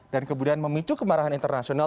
dan kemudian memicu kemarahan internasional